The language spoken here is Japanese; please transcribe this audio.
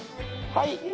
はい。